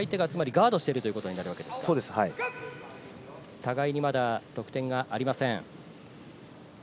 互いにまだ得点がありません。